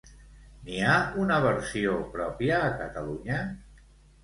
N'hi ha una versió pròpia a Catalunya?